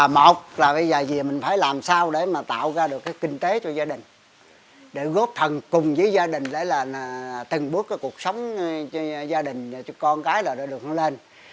một là bây giờ gì mình phải làm sao để mà tạo ra được cái kinh tế cho gia đình để góp thần cùng với gia đình để là từng bước cuộc sống cho gia đình cho con cái là đã được nâng lên